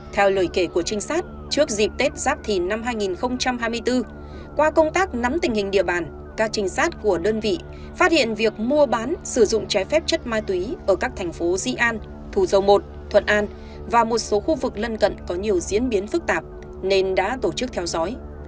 theo lời kể của trinh sát trước dịp tết giáp thìn năm hai nghìn hai mươi bốn qua công tác nắm tình hình địa bàn các trinh sát của đơn vị phát hiện việc mua bán sử dụng trái phép chất ma túy ở các thành phố di an thủ dầu một thuận an và một số khu vực lân cận có nhiều diễn biến phức tạp nên đã tổ chức theo dõi